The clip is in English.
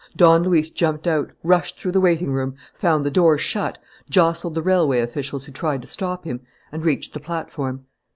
Don Luis jumped out, rushed through the waiting room, found the doors shut, jostled the railway officials who tried to stop him, and reached the platform.